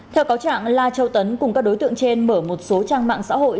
theo cáo trạng la châu tấn cùng các đối tượng trên mở một số trang mạng xã hội